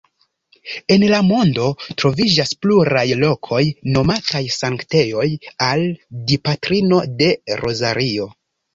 En la mondo troviĝas pluraj lokoj nomataj sanktejoj al Dipatrino de Rozario.